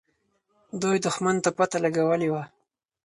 دوی دښمن ته پته لګولې وه.